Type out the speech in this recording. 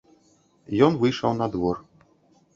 Ён выйшаў на двор.